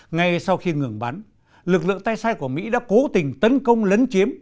ngay sau khi ngừng bắn lực lượng tay sai của mỹ đã cố tình tấn công lấn chiếm